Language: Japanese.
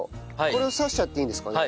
これを差しちゃっていいんですかね？